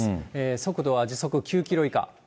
速度は時速９キロ以下。